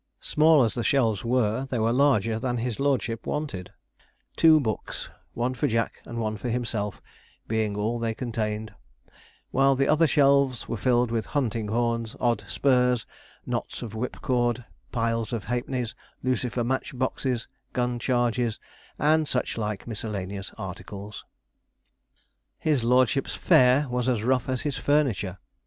Small as the shelves were, they were larger than his lordship wanted two books, one for Jack and one for himself, being all they contained; while the other shelves were filled with hunting horns, odd spurs, knots of whipcord, piles of halfpence, lucifer match boxes, gun charges, and such like miscellaneous articles. His lordship's fare was as rough as his furniture.